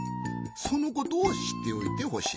そのことをしっておいてほしい。